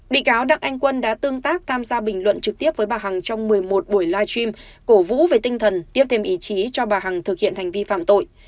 bị cáo đặng anh quân đã tương tác tham gia bình luận trực tiếp với bà hằng trong một mươi một buổi live stream cổ vũ về tinh thần tiếp thêm ý chí cho bà hằng thực hiện hành vi phạm tội